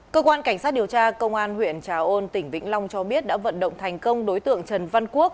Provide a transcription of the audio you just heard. cơ quan cảnh sát điều tra công an huyện trà ôn tỉnh vĩnh long cho biết đã vận động thành công đối tượng trần văn quốc